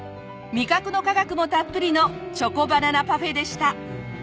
味覚の科学もたっぷりのチョコバナナパフェでした。